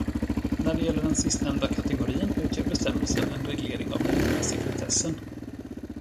När det gäller den sistnämnda kategorin utgör bestämmelsen en reglering av den inre sekretessen.